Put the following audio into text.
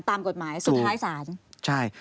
ตามกฎหมายสุทธิศาลถูกใช่